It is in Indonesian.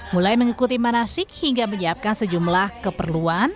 mulai mengikuti manasik hingga menyiapkan sejumlah keperluan